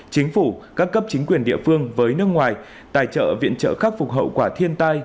chính phủ các cấp chính quyền địa phương với nước ngoài tài trợ viện trợ khắc phục hậu quả thiên tai